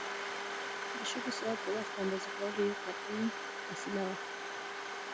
د شګو ساعت د وخت اندازه کولو یو قدیم وسیله وه.